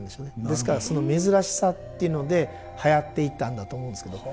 ですからその珍しさっていうのではやっていったんだと思うんですけど。